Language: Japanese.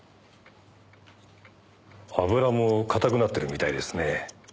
油も硬くなってるみたいですね。